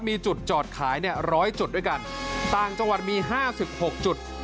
มีจุดจอดขายเนี่ยร้อยจุดด้วยกันต่างจังหวัดมี๕๖จุด